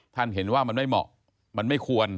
ท่านเห็นว่ามันไม่เหมาะมันไม่ควร